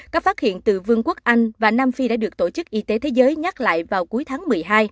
các phát hiện từ vương quốc anh và nam phi đã được tổ chức y tế thế giới nhắc lại vào cuối tháng một mươi hai